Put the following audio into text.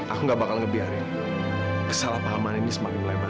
aku gak bakal ngebiarin kesalahpahaman ini semakin melebar